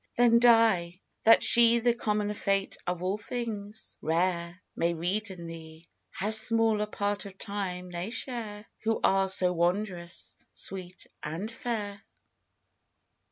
Then die, that she The common fate of all things rare May read in thee, How small a part of time they share Who are so wondrous sweet and fair!